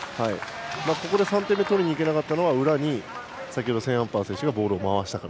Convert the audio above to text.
ここで３点目を取りにいけなかったのは裏に、先ほどセーンアンパー選手がボールを回したから。